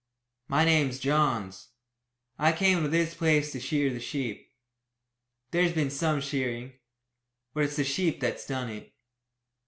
My name's Johns. I came to this place to shear the sheep. There's been some shearing, but it's the sheep that's done it.